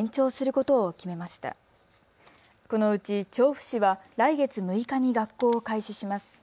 このうち調布市は、来月６日に学校を開始します。